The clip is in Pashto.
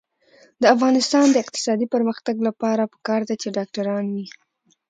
د افغانستان د اقتصادي پرمختګ لپاره پکار ده چې ډاکټران وي.